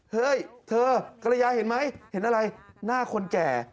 เฮ้ยเธอกรยาเห็นไหมเห็นอะไรหน้าคนแก่